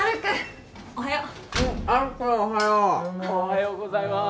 おはようおはようございます